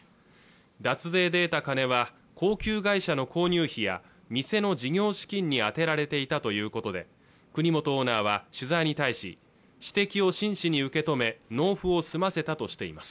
脱税で得た金は高級外車の購入費や店の事業資金に充てられていたということで国本オーナーは取材に対し指摘を真摯に受け止め納付を済ませたとしています